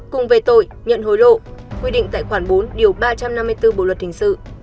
cùng về tội nhận hối lộ quy định tại khoản bốn điều ba trăm năm mươi bốn bộ luật hình sự